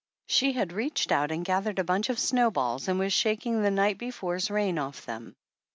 She had reached out .and gathered a bunch of snowballs and was shaking the night before's rain off them.